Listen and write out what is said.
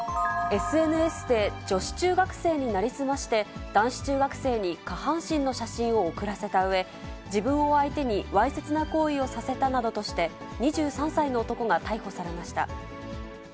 ＳＮＳで女子中学生に成り済まして、男子中学生に下半身の写真を送らせたうえ、自分を相手に、わいせつな行為をさせたなどとして、２３歳の男が逮捕されました。